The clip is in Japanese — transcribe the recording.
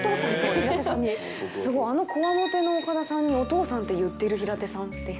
すごいあのこわもての岡田さんにお父さんって言ってる平手さんって。